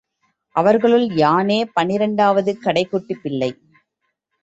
அவர் களுள், யானே, பன்னிரண்டாவது கடைக்குட்டிப் பிள்ளை.